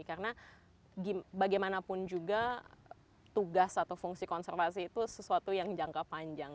karena bagaimanapun juga tugas atau fungsi konservasi itu sesuatu yang jangka panjang